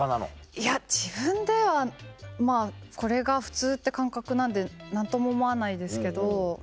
いや自分ではまぁこれが普通って感覚なんで何とも思わないですけど。